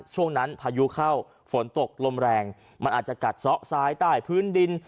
ช่วงนั้นพายุเข้าฝนตกลมแรงมันอาจจะกัดซะซ้ายใต้พื้นดิน